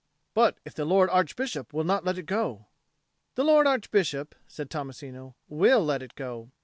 "But if the Lord Archbishop will not let it go?" "The Lord Archbishop," said Tommasino, "will let it go."